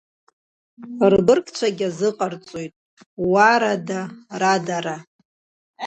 Рбыргцәагьы иазыҟарҵоит, уаа-рада, радара!